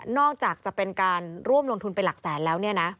นอกจากจะเป็นการร่วมลงทุนเป็นหลักแสนแล้ว